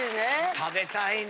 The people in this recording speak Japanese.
食べたいね。